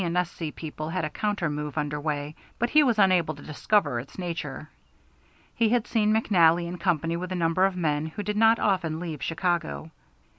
& S.C. people had a counter move under way, but he was unable to discover its nature. He had seen McNally in company with a number of men who did not often leave Chicago.